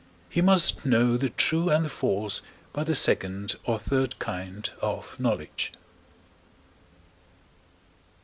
he must know the true and the false by the second or third kind of knowledge.